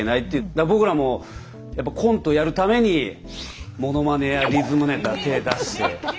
僕らもやっぱコントやるためにものまねやリズムネタ手出して。